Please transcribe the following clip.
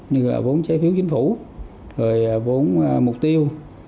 như vốn chế phiếu chính phủ vốn mục tiêu